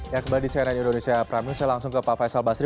ya kembali di cnn indonesia prime news saya langsung ke pak faisal basri